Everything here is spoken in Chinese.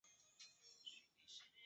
中国科学院院士。